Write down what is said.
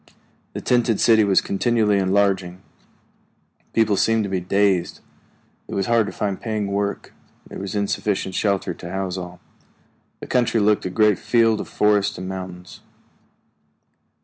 The tented city was continually enlarging. People seemed to be dazed; it was hard to find paying work; there was insufficient shelter to house all. The country looked a great field of forests and mountains.